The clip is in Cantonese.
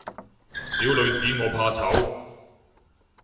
小女子我怕醜